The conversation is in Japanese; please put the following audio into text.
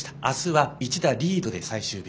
明日は１打リードで最終日。